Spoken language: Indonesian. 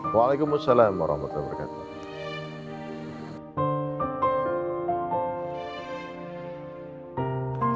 waalaikumsalam warahmatullahi wabarakatuh